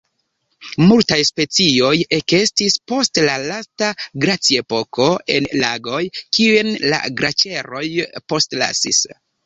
Multaj specioj ekestis post la lasta glaciepoko en lagoj kiujn la glaĉeroj postlasis.